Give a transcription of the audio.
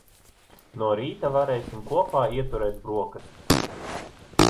No rīta varēsim kopā ieturēt broksastis.